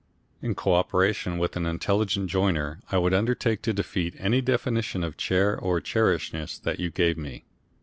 In co operation with an intelligent joiner I would undertake to defeat any definition of chair or chairishness that you gave me.